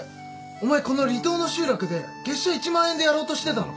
お前この離島の集落で月謝１万円でやろうとしてたのか？